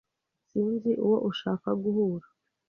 Sinzi uwo ushaka guhura.